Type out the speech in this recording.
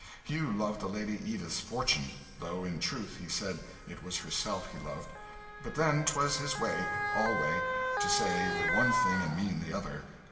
Hugh loved the Lady Edith's fortune, though in truth he said it was herself he loved but then 'twas his way, alway, to say the one thing and mean the other.